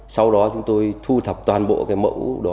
sau đó chúng tôi thu thập toàn bộ cái mẫu đó